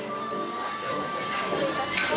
失礼いたします。